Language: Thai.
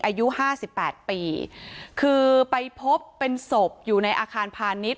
อายุห้าสิบแปดปีคือไปพบเป็นศพอยู่ในอาคารพาณิชย